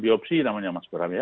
diopsi namanya mas bram ya